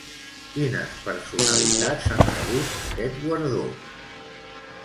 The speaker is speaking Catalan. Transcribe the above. Quines personalitats han rebut aquest guardó?